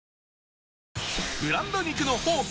ブランド肉の宝庫